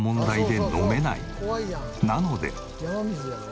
なので。